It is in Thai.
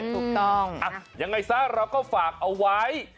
อะยังไงซะเราก็ฝากเอาไว้